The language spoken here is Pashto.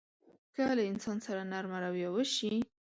که له انسان سره نرمه رويه وشي.